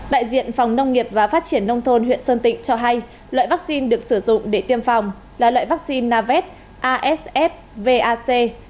đại diện phòng nông nghiệp và phát triển nông thôn huyện sơn tịnh cho hay loại vắc xin được sử dụng để tiêm phòng là loại vắc xin navet asfvac